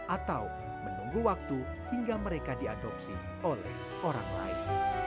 atau menunggu waktu hingga mereka diadopsi oleh orang lain